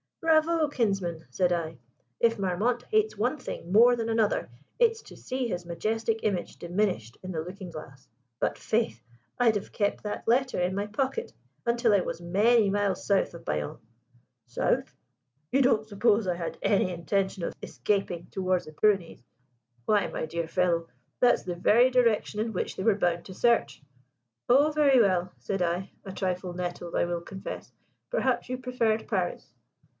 "Bravo, kinsman!" said I. "If Marmont hates one thing more than another it's to see his majestic image diminished in the looking glass. But faith! I'd have kept that letter in my pocket until I was many miles south of Bayonne." "South? You don't suppose I had any intention of escaping towards the Pyrenees? Why, my dear fellow, that's the very direction in which they were bound to search." "Oh, very well," said I a trifle nettled, I will confess "perhaps you preferred Paris!"